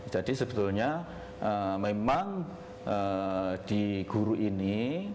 jadi sebetulnya memang di guru ini